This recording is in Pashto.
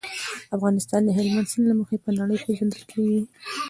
افغانستان د هلمند سیند له مخې په نړۍ پېژندل کېږي.